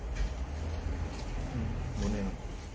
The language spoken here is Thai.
ไม่รู้สึก